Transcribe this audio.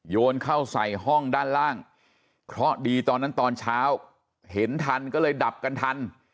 โยนเข้าใส่ห้องด้านล่างเคราะห์ดีตอนนั้นตอนเช้าเห็นทันก็เลยดับกันทัน